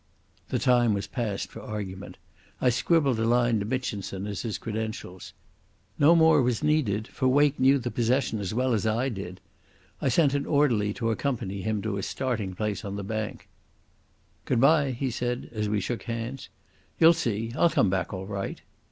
The time was past for argument. I scribbled a line to Mitchinson as his credentials. No more was needed, for Wake knew the position as well as I did. I sent an orderly to accompany him to his starting place on the bank. "Goodbye," he said, as we shook hands. "You'll see, I'll come back all right."